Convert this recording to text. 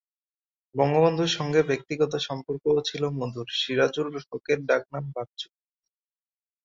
বঙ্গবন্ধুর সঙ্গে ব্যক্তিগত সম্পর্কও ছিল মধুর, সিরাজুল হকের ডাক নাম বাচ্চু।